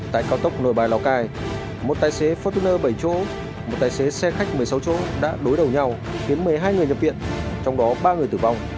tại cao tốc nội bài lào cai một tài xế phớtner bảy chỗ một tài xế xe khách một mươi sáu chỗ đã đối đầu nhau khiến một mươi hai người nhập viện trong đó ba người tử vong